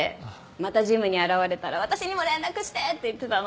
またジムに現れたら私にも連絡してって言ってたの。